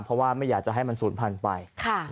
เพราะว่าไม่อยากจะให้มันศูนย์พันธุ์ไป